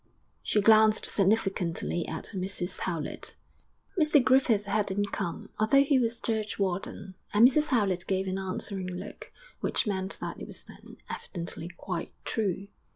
She glanced significantly at Mrs Howlett. Mr Griffith hadn't come, although he was churchwarden, and Mrs Howlett gave an answering look which meant that it was then evidently quite true.